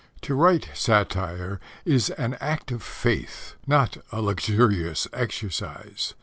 To write satire is an act of faith, not a luxurious exercise.